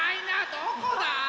どこだ？